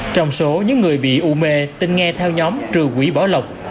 trong số những người bị ụ mê tin nghe theo nhóm trừ quỷ bỏ lộc